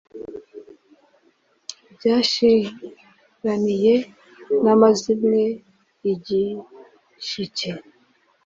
byashiraniye n'amazimwe i gishike. "